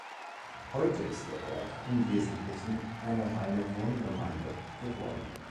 Heute ist der Ort im Wesentlichen eine reine „Wohngemeinde“ geworden.